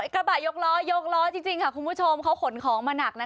กระบะยกล้อยกล้อจริงค่ะคุณผู้ชมเขาขนของมาหนักนะ